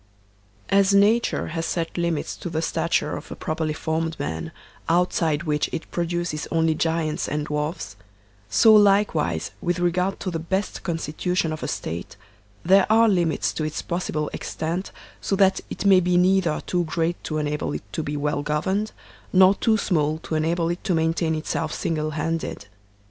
As NATURE has set limits to the stature of a properly formed man, outside which it produces only giants and dwarfs; so likewise, with regard to the best constitution of a State, there are limits to its possible extent so that it may be neither too great to enable it to be well gov erned, nor too small to enable it to maintain itself single handed.